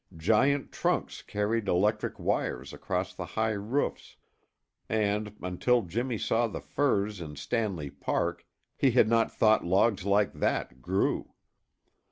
Giant trunks carried electric wires across the high roofs, and, until Jimmy saw the firs in Stanley Park, he had not thought logs like that grew.